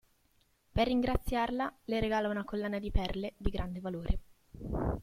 Per ringraziarla, le regala una collana di perle di grande valore.